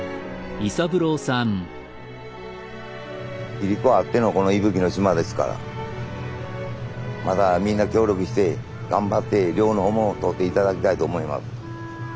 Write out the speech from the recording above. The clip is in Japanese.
いりこあってのこの伊吹の島ですからまたみんな協力して頑張って漁の方も取って頂きたいと思います。